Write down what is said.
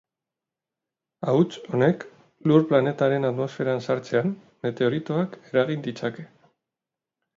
Hauts honek, Lur planetaren atmosferan sartzean, meteoritoak eragin ditzake.